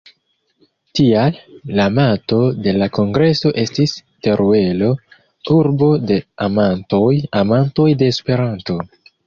Tial, la moto de la kongreso estis: "Teruelo, urbo de amantoj, amantoj de Esperanto".